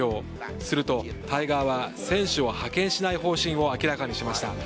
すると、タイ側は選手を派遣しない方針を明らかにしました。